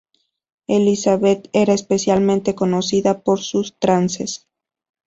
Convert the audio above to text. Elizabeth era especialmente conocida por sus trances.